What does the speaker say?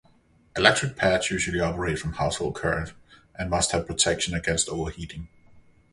Electric pads usually operate from household current and must have protection against overheating.